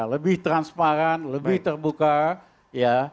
lebih transparan lebih terbuka